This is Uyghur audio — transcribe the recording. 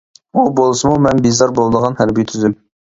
ئۇ بولسىمۇ مەن بىزار بولىدىغان ھەربىي تۈزۈم.